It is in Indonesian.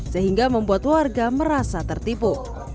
sehingga membuat warga merasa tertipu